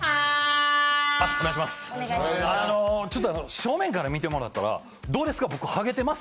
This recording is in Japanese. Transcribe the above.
正面から見てもらったらどうですか、僕、ハゲてます？